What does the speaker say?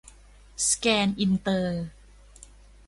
สแกน อินเตอร์